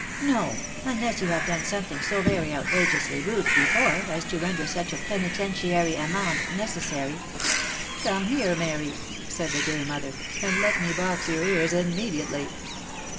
" No, .... unless 'you have done something so very out rageously rude before, as to lender such a penitentiary amend* necessary." " Come here, Mary," said the gay mother, " and let me box your ears immediately."